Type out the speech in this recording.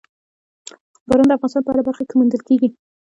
باران د افغانستان په هره برخه کې موندل کېږي.